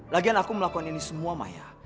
lagian aku melakukan ini semua maya